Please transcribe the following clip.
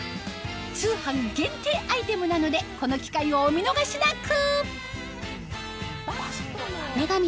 通販限定アイテムなのでこの機会をお見逃しなく！